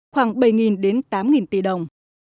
khoảng bảy đến tám tỷ đồng